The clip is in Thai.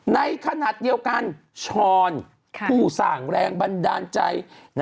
ในขณะเดียวกันช้อนผู้สร้างแรงบันดาลใจ